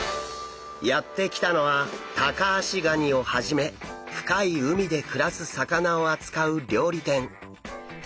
やって来たのはタカアシガニをはじめ深い海で暮らす魚を扱う料理店。